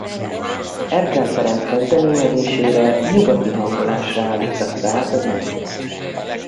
Erkel Ferenc kezdeményezésére nyugati hangolásra állíttatta át a zenekart.